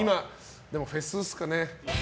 でも、フェスですかね。